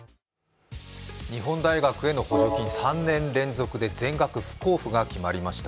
日本大学への補助金３年連続で全額不交付が決まりました。